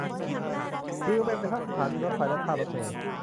คือมันเป็นทั้งสถานีรถไฟและท่ารถเมล์